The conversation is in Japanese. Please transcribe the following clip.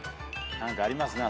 何かありますね